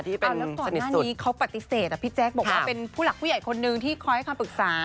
ที่เป็นสนิทสุดอ๋อแล้วตอนหน้านี้เขาปฏิเสธอะพี่แจ๊คบอกว่าเป็นผู้หลักผู้ใหญ่คนนึงที่คอยให้ความปรึกษา